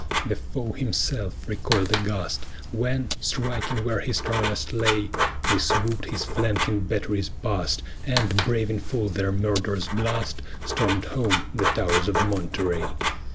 The foe himself recoil'd aghast, When, striking where he strongest lay, We swoop'd his flanking batteries past, And braving full their murderous blast, Storm'd home the towers of Monterey.